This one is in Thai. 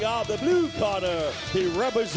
กลับเข้าสู่การไหนรักสดสุดยอดกีฬากครับ